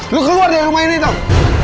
lo keluar dari rumah ini dong